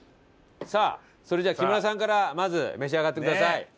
さあそれじゃあ木村さんからまず召し上がってください。